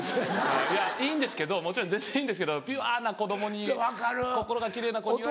いやいいんですけどもちろん全然いいんですけどピュアな子供に心が奇麗な子に言われると。